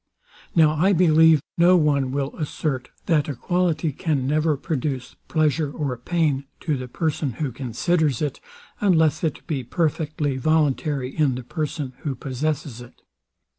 Now I believe no one will assert, that a quality can never produce pleasure or pain to the person who considers it, unless it be perfectly voluntary in the person who possesses it.